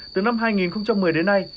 từ năm hai nghìn một mươi đến nay